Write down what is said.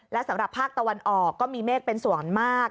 และสำหรับภาคตะวันออกก็มีเมฆเป็นส่วนมาก